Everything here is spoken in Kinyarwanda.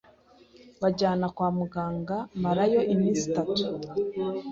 banjyana kwa muganga marayo iminsi itatu